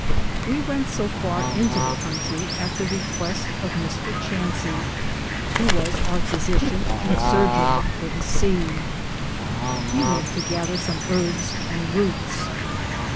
We went so farr into the contrie at the Requeste of Mr. Chancie, who was our fysition and surgin for the seae. He wente to gather som harbs and Routes.